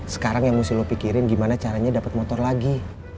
sekarang yang mesti lo pikirin gimana caranya dapat motor lagi